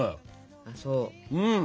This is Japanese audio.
あそう。